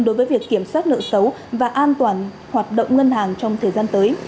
đối với việc kiểm soát nợ xấu và an toàn hoạt động ngân hàng trong thời gian tới